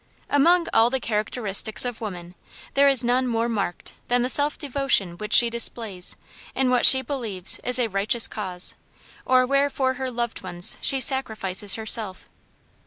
Among all the characteristics of woman there is none more marked than the self devotion which she displays in what she believes is a righteous cause, or where for her loved ones she sacrifices herself.